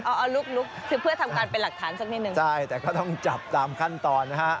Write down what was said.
เอาเอาลุกลุกคือเพื่อทำการเป็นหลักฐานสักนิดนึงใช่แต่ก็ต้องจับตามขั้นตอนนะฮะ